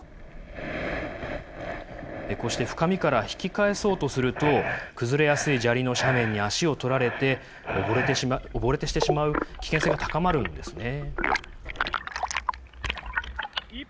こうして深みから引き返そうとすると、崩れやすい砂利の斜面に足を取られて、溺れてしまう危険性が高まるんですね。